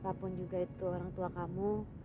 apapun juga itu orang tua kamu